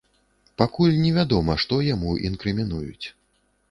Пакуль невядома, што яму інкрымінуюць.